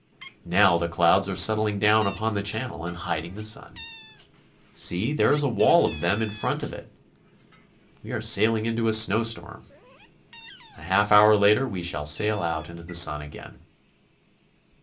Now the clouds are settling down upon the channel and hiding the sun. See, there is a wall of them in front of it. We are saiHng into a snowstorm. A half hour later we shall sail out into the sun again.